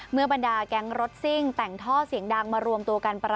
เมื่อบรรดาแก๊งรถซิ่งแต่งท่อเสียงดังมารวมตัวกันประหลาด